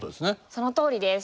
そのとおりです。